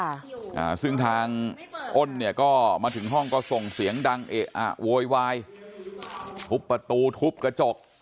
อ่าซึ่งทางอ้นเนี่ยก็มาถึงห้องก็ส่งเสียงดังเอะอะโวยวายทุบประตูทุบกระจก